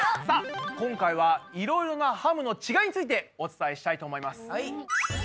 さあ今回はいろいろなハムのちがいについてお伝えしたいと思います。